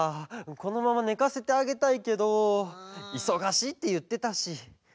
このままねかせてあげたいけどいそがしいっていってたし。